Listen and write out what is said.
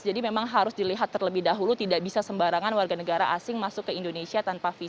jadi memang harus dilihat terlebih dahulu tidak bisa sembarangan warga negara asing masuk ke indonesia tanpa visa